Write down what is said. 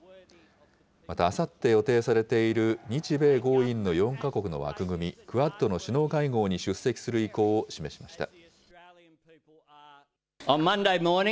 またあさって予定されている日米豪印の４か国の枠組み、クアッドの首脳会合に出席する意向を示しました。